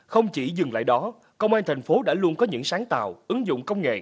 không chỉ dừng lại đó công an thành phố đã luôn có những sáng tạo ứng dụng công nghệ